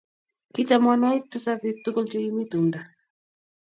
Ki tamanwogik tisap piik tugul che kimi tumndo.